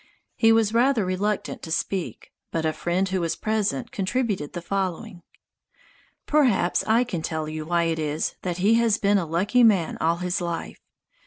He was rather reluctant to speak, but a friend who was present contributed the following: "Perhaps I can tell you why it is that he has been a lucky man all his life.